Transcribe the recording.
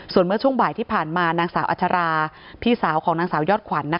ส่วนเมื่อช่วงบ่ายที่ผ่านมานางสาวอัชราพี่สาวของนางสาวยอดขวัญ